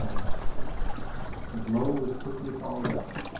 The blow was quickly followed up.